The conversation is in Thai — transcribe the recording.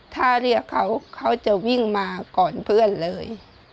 ถ้าเรียกเขาเขาจะวิ่งมาก่อนเพื่อนเลย